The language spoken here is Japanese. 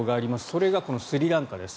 それがこのスリランカです。